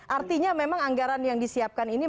artinya memang anggaran yang disiapkan ini